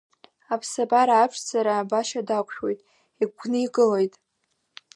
Аԥсабара аԥшӡара абашьа дақәшәоит, егьгәникылоит.